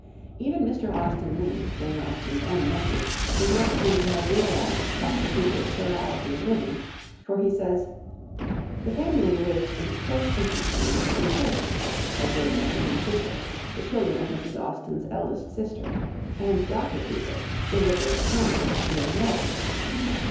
Even Mr. Austen Leigh, Jane Austen's own nephew, does not seem to have realised Dr. Cooper's plurality of livings, for he says, "The family lived in close intimacy with two cousins, Edward and Jane Cooper, the children of Mrs. Austen's eldest sister, and Dr. Cooper, the vicar of Sonning, near Reading.